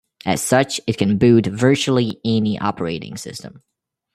As such, it can boot virtually any operating system.